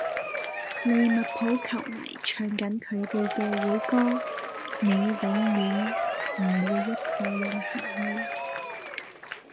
利物浦球迷唱緊佢地既會歌:你永遠唔會一個人行路.